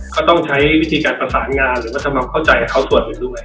เขาต้องใช้วิธีการประสานงานหรือวัฒนธรรมเข้าใจเขาส่วนไปด้วย